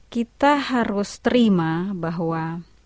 kita harus terima bahwa